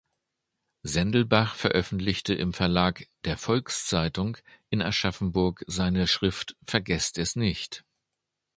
Sendelbach veröffentlichte im Verlag der "Volkszeitung" in Aschaffenburg seine Schrift "Vergesst es nicht!